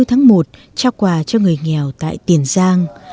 ngày hai mươi năm tháng một trao quà cho người nghèo tại tiền giang